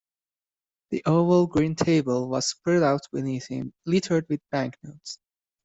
The oval green table was spread out beneath him littered with banknotes.